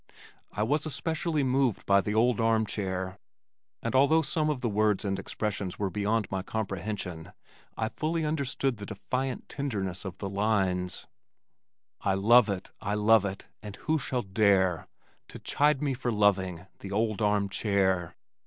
I was especially moved by The Old Armchair, and although some of the words and expressions were beyond my comprehension, I fully understood the defiant tenderness of the lines: I love it, I love it, and who shall dare To chide me for loving the old armchair?